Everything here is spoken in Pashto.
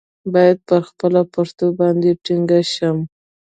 باید پر خپله پښتو باندې ټینګ شم.